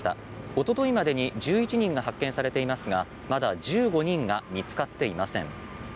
おとといまでに１１人が発見されていますがまだ１５人が見つかっていません。